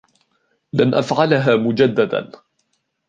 لن أفعلها مجدداً.